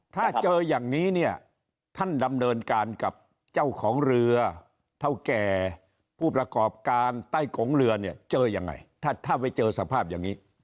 ถ้าเจออย่างนี้เนี่ยท่านดำเนินการกับเจ้าของเรือเท่าแก่ผู้ประกอบการใต้กงเรือเนี่ยเจอยังไงถ้าไปเจอสภาพอย่างนี้